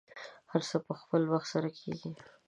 هر څه په خپل وخت سره کیږي.